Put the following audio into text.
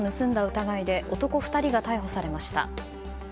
疑いで男２人が逮捕されました。